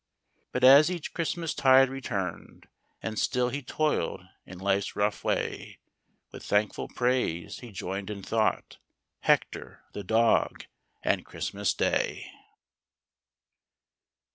m But as each Christmas tide return'd, And still he toil'd in life's rough way, With thankful praise he join'd in thought, Hector, the dog, and Christmas Day.